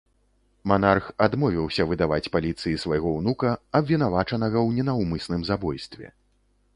Манарх адмовіўся выдаваць паліцыі свайго ўнука, абвінавачанага ў ненаўмысным забойстве.